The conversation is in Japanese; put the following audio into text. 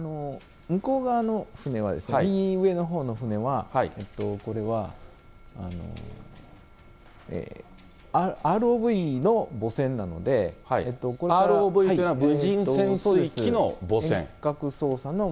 向こう側の船は、右上のほうの船は、これは、ＲＯＶというのは、無人潜水機の母船。